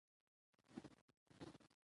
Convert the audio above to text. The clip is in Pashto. ژمی د افغانستان د چاپیریال ساتنې لپاره مهم دي.